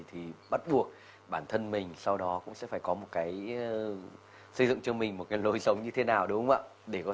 thì bắt buộc bản thân mình sau đó cũng sẽ phải có một cái xây dựng cho mình một cái lối sống như thế nào đúng không ạ để có